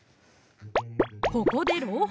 ここで朗報